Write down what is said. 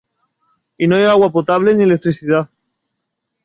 Y no hay agua potable ni electricidad.